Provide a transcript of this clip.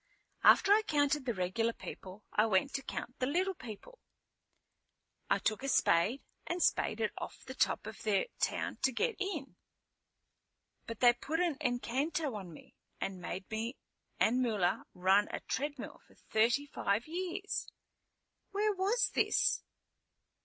"After I counted the regular people I went to count the little people. I took a spade and spaded off the top of their town to get in. But they put an encanto on me, and made me and Mula run a treadmill for thirty five years." "Where was this?"